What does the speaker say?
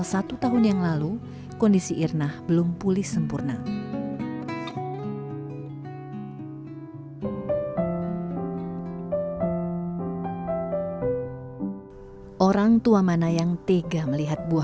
satu tahun yang lalu kondisi irna belum pulih sempurna orang tua mana yang tega melihat buah